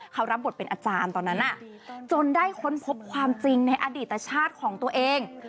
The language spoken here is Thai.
เขารับบทเป็นอาจารย์ตอนนั้นจนได้ค้นพบความจริงในอดีตชาติของตัวเอง